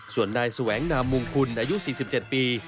ส่วนนายแสวงนามมุงคุณอายุ๔๗ปี